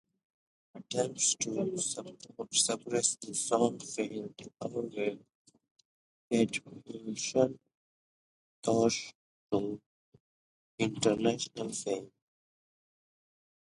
Attempts to suppress the song failed, however, catapulting Tosh to international fame.